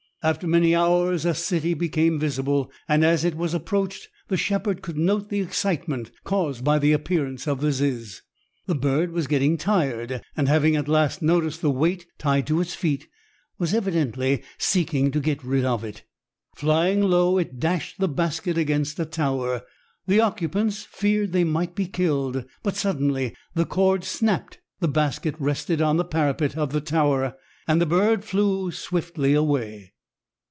After many hours a city became visible, and as it was approached the shepherd could note the excitement caused by the appearance of the ziz. The bird was getting tired, and having at last noticed the weight tied to its feet was evidently seeking to get rid of it. Flying low it dashed the basket against a tower. The occupants feared they might be killed, but suddenly the cords snapped, the basket rested on the parapet of the tower, and the bird flew swiftly away.